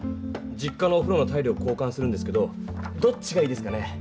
実家のおふろのタイルを交かんするんですけどどっちがいいですかね？